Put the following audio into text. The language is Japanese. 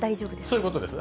そういうことです。